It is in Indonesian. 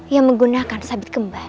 yang menggunakan sabit kembar